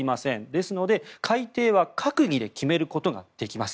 ですので、改定は閣議で決めることができます。